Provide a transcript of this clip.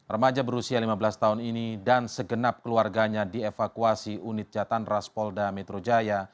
remaja berusia lima belas tahun ini dan segenap keluarganya dievakuasi unit jatan ras polda metro jaya